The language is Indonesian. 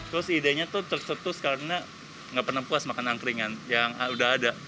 terus idenya tuh tercetus karena nggak pernah puas makan angkringan yang udah ada